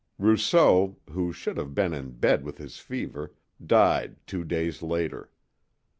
Rousseau, who should have been in bed with his fever, died two days later.